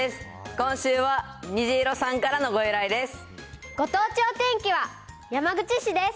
今週はにじいろさんからのご依頼です。